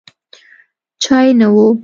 چای نه و.